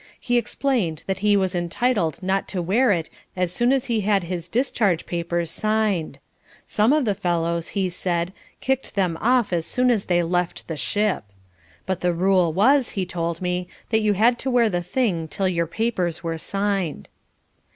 He explained that he was entitled not to wear it as soon as he had his discharge papers signed; some of the fellows, he said, kicked them off as soon as they left the ship, but the rule was, he told me, that you had to wear the thing till your papers were signed.